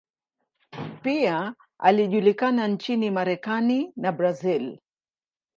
Pia alijulikana nchini Marekani na Brazil.